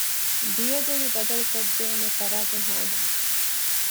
ދިޔަދޮވި ބަދަލުކޮށްދޭނެ ފަރާތެއް ހޯދުމަށް